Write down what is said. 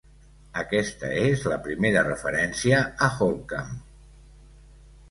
Aquesta és la primera referència a Holkham.